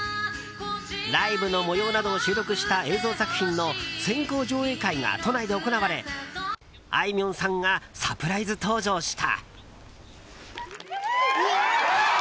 ライブの模様などを収録した映像作品の先行上映会が都内で行われあいみょんさんがサプライズ登場した。